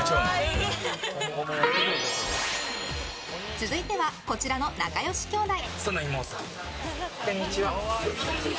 続いてはこちらの仲良しきょうだい。